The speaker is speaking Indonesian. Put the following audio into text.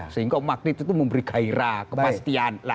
sehingga magnet itu memberi gairah kepastian